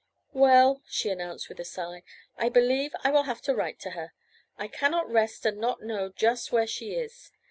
"Well," she announced with a sigh, "I believe I will have to write to her. I can not rest and not know just where she is.